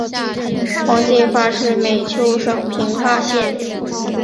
黄晋发是美湫省平大县人。